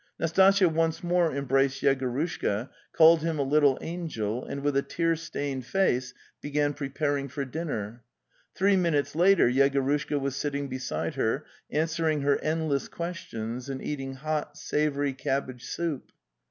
Nastasya once more em braced Yegorushka, called him a little angel, and with a tear stained face began preparing for dinner. Three minutes later Yegorushka was sitting beside her, answering her endless questions and eating hot savoury cabbage soup.